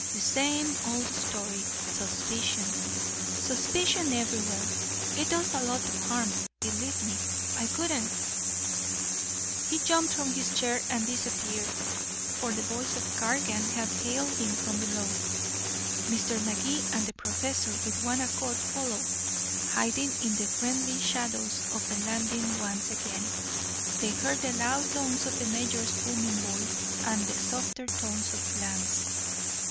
"The same old story. Suspicion suspicion everywhere. It does a lot of harm, believe me. I wouldn't " He jumped from his chair and disappeared, for the voice of Cargan had hailed him from below. Mr. Magee and the professor with one accord followed. Hiding in the friendly shadows of the landing once again, they heard the loud tones of the mayor's booming voice, and the softer tones of Bland's.